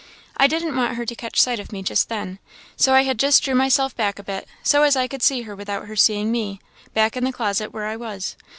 I didn't want her to catch sight of me just then, so I had just drew myself back a bit, so as I could see her without her seeing me back in the closet where I was.